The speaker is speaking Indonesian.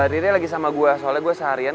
dirinya lagi sama gue soalnya gue seharian